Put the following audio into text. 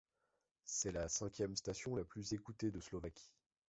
C'est la cinquième station la plus écoutée de Slovaquie.